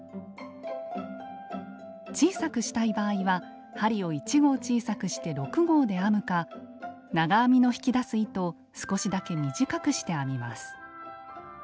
小さくしたい場合は針を１号小さくして６号で編むか長編みの引き出す糸を少しだけ短くして編みます。